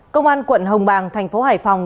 công an quận hồng bàng thành phố hải phòng